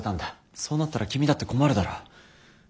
そうなったら君だって困るだろ？